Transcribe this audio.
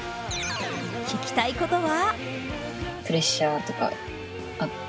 聞きたいことは？